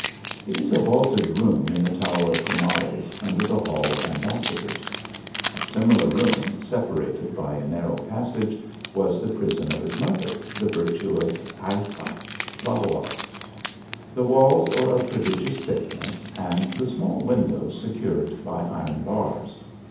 It is a vaulted room in the tower of Comares, under the Hall of Am bassadors. A similar room, separated by a narrow passage, was the prison of his mother, the virtuous Ayxa la Horra. The walls are of prodigious thick ness, and the small windows secured by iron bars.